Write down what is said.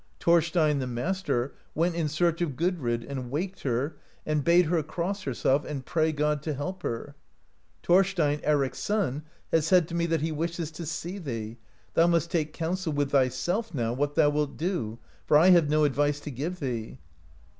Thornstein, the master, went in search of Gudrid, and waked her, and bade her cross herself, and pray God to help her ; "Thorstein, Eric's son, has said to me that he wishes to see thee ; thou must take counsel with thyself now, what thou wilt do, for I have no advice to give thee."